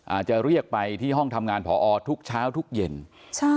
อาจจะเรียกไปที่ห้องทำงานผอทุกเช้าทุกเย็นใช่